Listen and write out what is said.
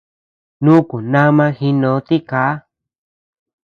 Nuku nama jinó tiká.